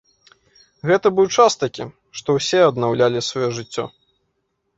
Гэта быў час такі, што ўсе абнаўлялі сваё жыццё.